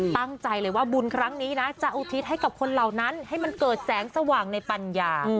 ตั้งใจเลยว่าบุญครั้งนี้นะจะอุทิศให้กับคนเหล่านั้นให้มันเกิดแสงสว่างในปัญญา